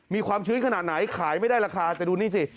มีความชื้นขนาดไหนขายไม่ได้ราคาแต่ดูนี่สิ